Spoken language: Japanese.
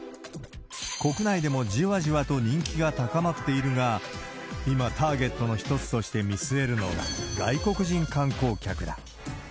国内でもじわじわと人気が高まっているが、今、ターゲットの一つとして見据えるのが外国人観光客だ。